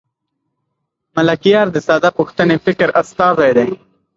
ملکیار د ساده پښتني فکر استازی دی.